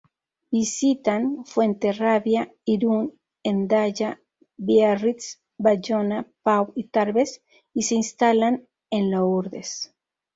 Visitan Fuenterrabía, Irún, Hendaya, Biarritz, Bayona, Pau y Tarbes, y se instalan en Lourdes.